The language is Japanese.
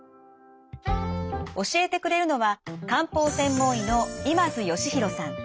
教えてくれるのは漢方専門医の今津嘉宏さん。